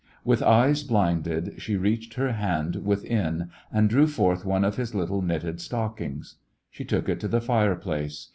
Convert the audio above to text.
With eyes blinded she reached her hand within and drew forth one of his little knitted stock ings. She took it to the fireplace.